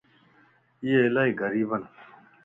اي الائي غريبن